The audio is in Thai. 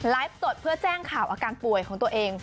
สดเพื่อแจ้งข่าวอาการป่วยของตัวเอง